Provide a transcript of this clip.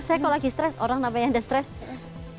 saya kalau lagi stress orang namanya yang udah stress